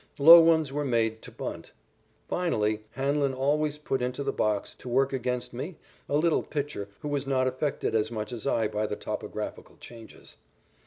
Low ones were made to bunt. Finally, Hanlon always put into the box to work against me a little pitcher who was not affected as much as I by the topographical changes.